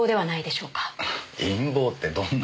陰謀ってどんな？